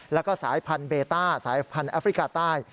แล้วก็สายพันธุเบต้าสายพันธุ์แอฟริกาใต้